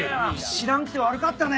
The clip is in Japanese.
知らんくて悪かったね。